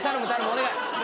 お願い！